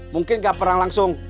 mungkin gak pernah langsung